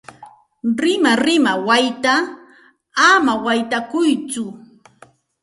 Rimarima wayta ama waytakuytsu.